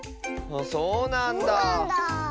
そうなんだ。